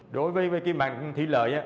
đối với cái mạng thủy lợi